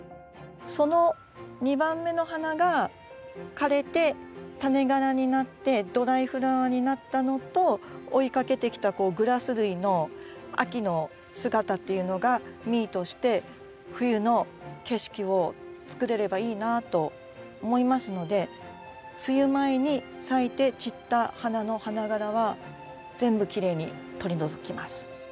その２番目の花が枯れてタネがらになってドライフラワーになったのと追いかけてきたグラス類の秋の姿っていうのがミートして冬の景色を作れればいいなと思いますので梅雨前に咲いて散った花の花がらは全部きれいに取り除きます。